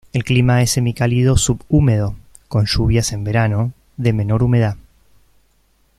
El clima es semicálido subhúmedo, con lluvias en verano, de menor humedad.